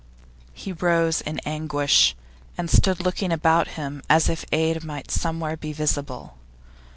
He rose in anguish, and stood looking about him as if aid might somewhere be visible.